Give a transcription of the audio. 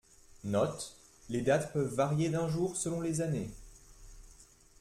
Note : les dates peuvent varier d’un jour selon les années.